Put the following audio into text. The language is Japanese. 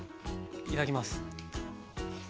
いただきます。